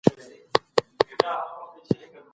ډېری خلک پخوانۍ خبرې هېرول غواړي.